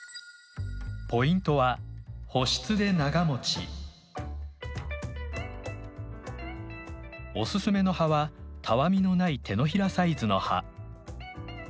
ポイントはおすすめの葉はたわみのない手のひらサイズの葉。